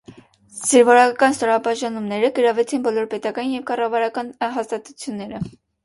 Զինվորական ստորաբաժանումները գրավեցին բոլոր պետական և կառավարական հաստատությունները։